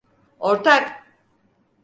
Ortak!